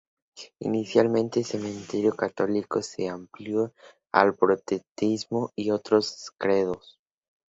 Inicialmente cementerio católico, se amplió al protestantismo y otros credos.